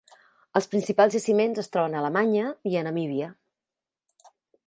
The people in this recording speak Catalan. Els principals jaciments es troben a Alemanya i a Namíbia.